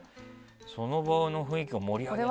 その場の雰囲気を盛り上げる。